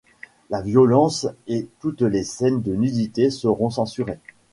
La violence et toutes les scènes de nudité seront censurées.